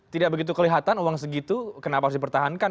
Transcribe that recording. tidak begitu kelihatan uang segitu kenapa harus dipertahankan